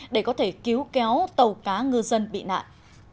để có thể cứu kéo tàu cá ngư dân bị nạn